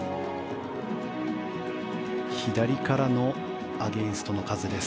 左からのアゲンストの風です。